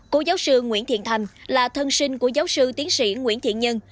cô giáo sư nguyễn thiện thành là thân sinh của giáo sư tiến sĩ nguyễn thiện nhân